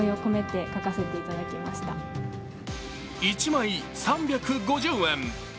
１枚３５０円。